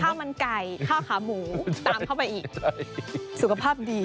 คือข้าวมันไก่ข้าวขาหมูตามเข้าไปอีก